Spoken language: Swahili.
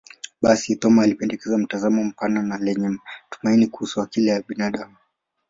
Basi, Thoma alipendekeza mtazamo mpana na lenye tumaini kuhusu akili ya binadamu.